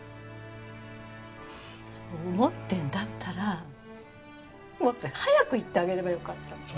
そう思ってるんだったらもっと早く言ってあげればよかったのに。